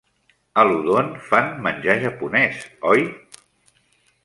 A l'Udon fan menjar japonès, oi?